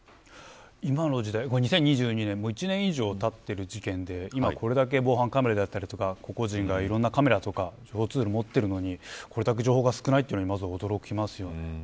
今の時代、２０２２年１年以上たっている事件でこれだけ防犯カメラがあったり個人がいろんなカメラとか情報ツールを持っているのにこれだけ情報が少ないことに驚きます。